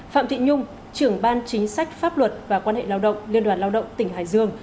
phạm thị nhung trưởng ban chính sách pháp luật và quan hệ lao động liên đoàn lao động tỉnh hải dương